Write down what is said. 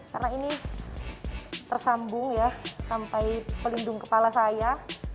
karena ini tersambung ya sampai pelindung kepala saya